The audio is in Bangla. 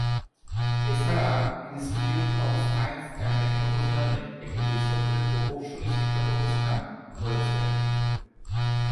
এছাড়া, institute of science and technology নামে একটি বেসরকারি প্রকৌশলী শিক্ষা প্রতিষ্ঠান রয়েছে।